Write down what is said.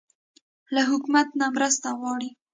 له حکومت نه مرسته غواړئ؟